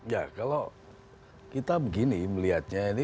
ya kalau kita begini melihatnya ini